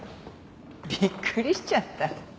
びっくりしちゃった。